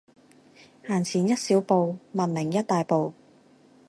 行前一小步，文明一大步